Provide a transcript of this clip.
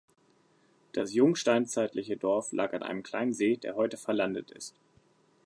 Das jungsteinzeitliche Dorf lag an einem kleinen See, der heute verlandet ist.